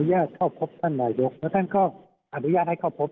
แต่เขาทำได้อย่างสำคัญครับ